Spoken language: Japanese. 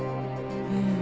うん。